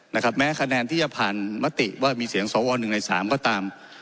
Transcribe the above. แม้คะแนนที่จะผ่านมติว่ามีเสียงสวหนึ่งในสามก็ตาม